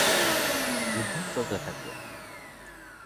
যুদ্ধ চলতে থাকল।